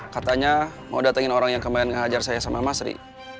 katanya mau datangin orang kemarin yang ngehajar saya sama masri